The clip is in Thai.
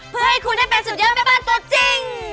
เพื่อให้คุณได้เป็นสุดยอดแม่บ้านตัวจริง